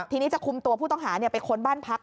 ทีนี้จะคุมตัวผู้ต้องหาไปค้นบ้านพัก